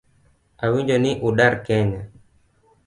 Awinjo ni udar kenya